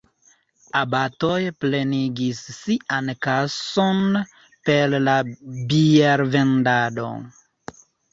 Abatoj plenigis sian kason per la biervendado.